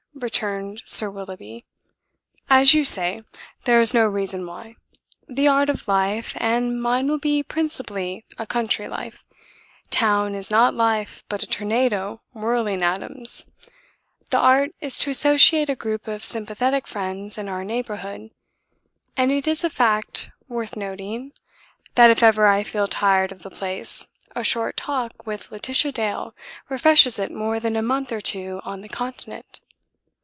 returned Sir Willoughby. "As you say, there is no reason why. The art of life, and mine will be principally a country life town is not life, but a tornado whirling atoms the art is to associate a group of sympathetic friends in our neighbourhood; and it is a fact worth noting that if ever I feel tired of the place, a short talk with Laetitia Dale refreshes it more than a month or two on the Continent.